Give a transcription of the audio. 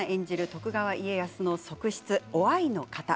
徳川家康の側室、於愛の方。